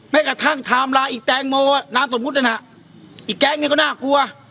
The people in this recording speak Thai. ไม่กระทั่งทำลายอีกแตงโมน้ำสมมุตินั่นฮะอีกแก๊งนี้ก็น่ากลัว